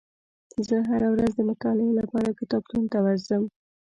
زه هره ورځ د مطالعې لپاره کتابتون ته ورځم.